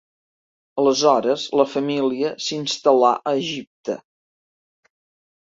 Aleshores la família s'instal·là a Egipte.